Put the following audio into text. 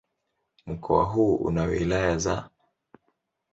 Mkoa huu una wilaya za